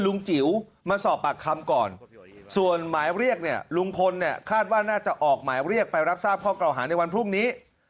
จิ๋วมาสอบปากคำก่อนส่วนหมายเรียกเนี่ยลุงพลเนี่ยคาดว่าน่าจะออกหมายเรียกไปรับทราบข้อเก่าหาในวันพรุ่งนี้